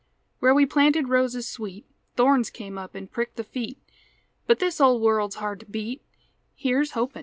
Where we planted roses sweet Thorns come up an' pricked the feet; But this old world's hard to beat, Here's hopin'!